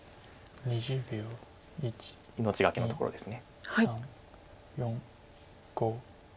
命懸けのところです。